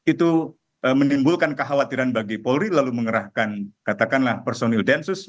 itu menimbulkan kekhawatiran bagi polri lalu mengerahkan katakanlah personil densus